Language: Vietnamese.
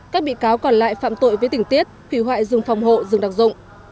các bị cáo còn lại phạm tội với tỉnh tiết hủy hoại rừng phòng hộ rừng đặc dụng